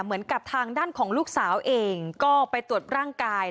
เหมือนกับทางด้านของลูกสาวเองก็ไปตรวจร่างกาย